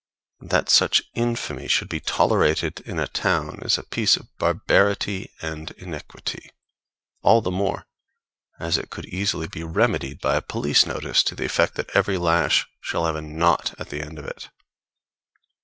That such infamy should be tolerated in a town is a piece of barbarity and iniquity, all the more as it could easily be remedied by a police notice to the effect that every lash shall have a knot at the end of it.